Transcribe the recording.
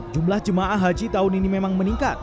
jumlah jemaah haji tahun ini memang meningkat